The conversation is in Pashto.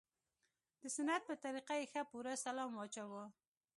د سنت په طريقه يې ښه پوره سلام واچاوه.